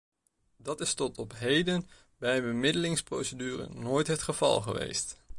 Dat is tot op heden bij een bemiddelingsprocedure nooit het geval geweest.